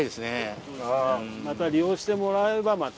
また利用してもらえればまた。